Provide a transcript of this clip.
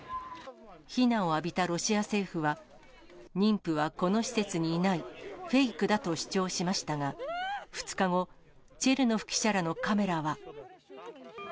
非難を浴びたロシア政府は、妊婦はこの施設にいない、フェイクだと主張しましたが、２日後、チェルノフ記者らのカメラは。